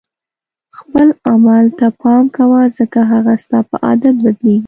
خپل عمل ته پام کوه ځکه هغه ستا په عادت بدلیږي.